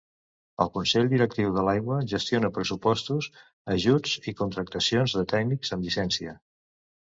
El consell directiu de l'aigua gestiona pressupostos, ajuts i contractació de tècnics amb llicència.